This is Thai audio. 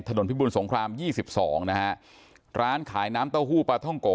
พิบุญสงครามยี่สิบสองนะฮะร้านขายน้ำเต้าหู้ปลาท่องโก